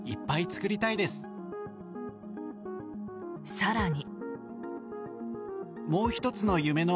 更に。